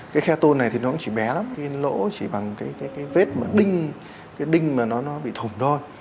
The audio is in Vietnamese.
cái khe tôn này thì nó cũng chỉ bé lắm cái lỗ chỉ bằng cái vết mà đinh cái đinh mà nó bị thủng thôi